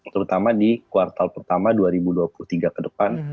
terutama di kuartal pertama dua ribu dua puluh tiga ke depan